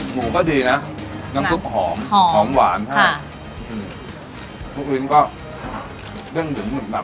หมูก็ดีนะน้ำซุปหอมหอมหวานค่ะอืมลูกหมีนก็ชอบแจ้งหลืมเหมือนกัน